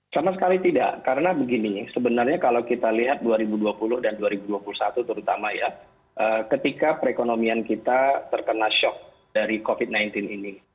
sama sekali tidak karena begini sebenarnya kalau kita lihat dua ribu dua puluh dan dua ribu dua puluh satu terutama ya ketika perekonomian kita terkena shock dari covid sembilan belas ini